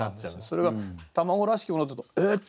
それが「卵らしきもの」だとえっ？